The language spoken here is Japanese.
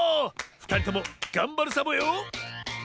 ふたりともがんばるサボよ。